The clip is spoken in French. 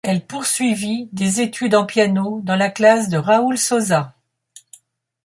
Elle poursuivit des études en piano dans la classe de Raoul Sosa.